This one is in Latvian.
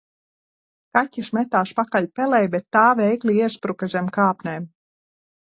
Kaķis metās pakaļ pelei, bet tā veikli iespruka zem kāpnēm